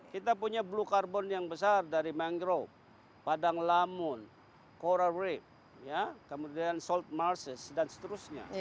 kita punya blue carbon yang besar dari mangrove padang lamun coral reef kemudian salt marshes dan seterusnya